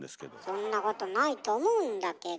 そんなことないと思うんだけど。